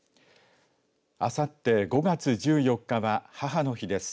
あさって５月１４日は母の日です。